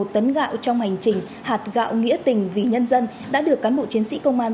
một trăm một mươi một tấn gạo trong hành trình hạt gạo nghĩa tình vì nhân dân đã được cán bộ chiến sĩ công an